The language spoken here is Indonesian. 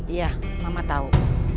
iya mama tau